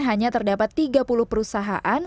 hanya terdapat tiga puluh perusahaan